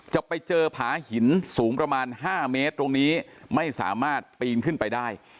จะไปเจอผาหินสูงประมาณ๕เมตรตรงนี้ไม่สามารถปีนขึ้นไปได้